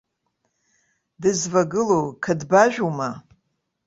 Дызвагылоу қыдбажәума?